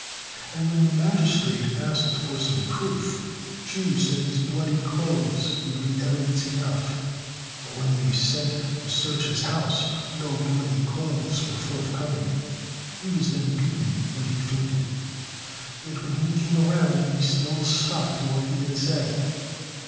And when the magistrate asked for some proof, Chu said his bloody clothes would be evidence enough; but when they sent to search his house, no bloody clothes were forthcoming. He was then beaten till he fainted; yet when he came round he still stuck to what he had said.